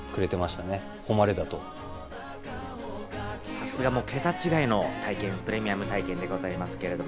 さすが桁違いの体験、プレミアム体験でございますけど。